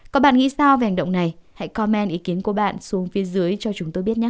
có bạn nghĩ sao về hành động này hãy comen ý kiến của bạn xuống phía dưới cho chúng tôi biết nhắc